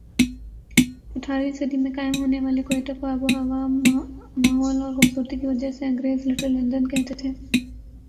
اٹھارہویں صدی میں قائم ہونے والے کوئٹہ کو آب و ہوا ماحول اور خوبصورتی کی وجہ سے انگریز لٹل لندن کہتے تھے